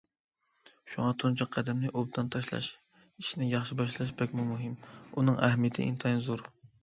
شۇڭا، تۇنجى قەدەمنى ئوبدان تاشلاش، ئىشنى ياخشى باشلاش بەكمۇ مۇھىم، ئۇنىڭ ئەھمىيىتى ئىنتايىن زور.